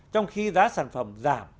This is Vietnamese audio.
trong khi giá sản phẩm giảm